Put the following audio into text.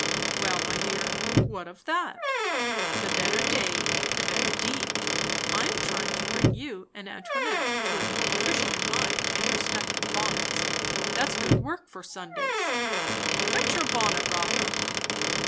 "Well, my dear, what of that? The better day, the better deed. I am trying to bring you and Antoinette to a more Christian mind in respect of bonnets; that's good work for Sunday. Fetch your bonnet, Rotha."